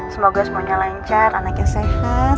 semoga semuanya lancar anaknya sehat